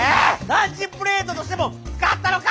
ランチプレートとしても使ったろか！